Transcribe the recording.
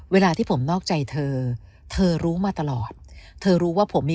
เวลาที่ผมนอกใจเธอเธอรู้มาตลอดเธอรู้ว่าผมมี